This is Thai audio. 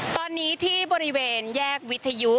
ตอนนี้ที่บริเวณแยกวิทยุ